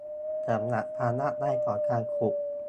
สำหรับความยากง่ายของการขุด